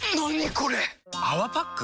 これ⁉「泡パック」？